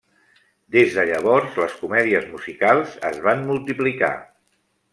Des de llavors, les comèdies musicals es van multiplicar.